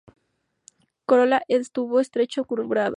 Corola en tubo estrecho, curvada.